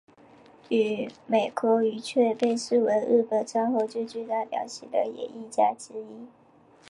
与美空云雀被视为日本战后最具代表性的演艺家之一。